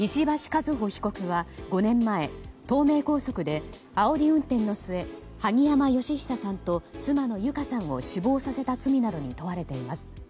和歩被告は５年前東名高速であおり運転の末萩山嘉久さんと妻の友香さんを死亡させた罪などに問われています。